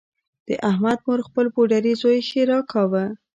د احمد مور خپل پوډري زوی ښیرأ کاوه.